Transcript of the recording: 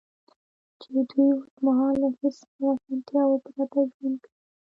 چې دوی اوس مهال له هېڅ ډول اسانتیاوو پرته ژوند کوي